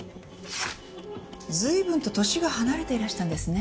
随分と年が離れていらしたんですね？